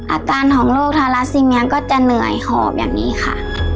อาการของโรคทาราซิเมียก็จะเหนื่อยหอบอย่างนี้ค่ะ